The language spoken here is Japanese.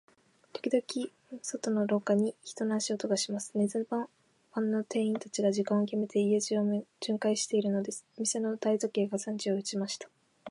ときどき、板戸の外の廊下に、人の足音がします。寝ずの番の店員たちが、時間をきめて、家中を巡回じゅんかいしているのです。店の大時計が三時を打ちました。